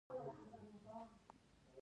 یو ستر دېوال په وینډولا کې موقعیت درلود